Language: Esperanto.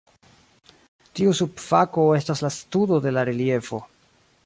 Tiu subfako estas la studo de la reliefo.